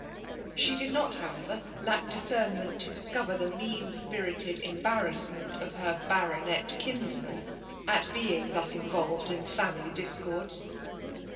She did noti however, lack discernment to discover the mean spirited embarrassment of her Bptronet kinsman, at being thus involved m foliciily discords.